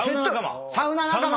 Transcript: サウナ仲間。